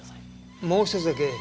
もう１つだけ。